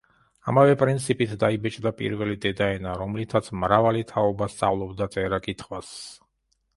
ამავე პრინციპით დაიბეჭდა პირველი „დედა ენა“, რომლითაც მრავალი თაობა სწავლობდა წერა-კითხვას.